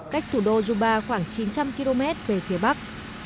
cách thủ đô juba khoảng chín trăm linh km về phía bắc